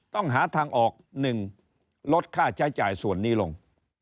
ต้องหาทางออก๑ลดค่าใช้จ่ายส่วนนี้ลง